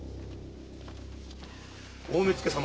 大目付様。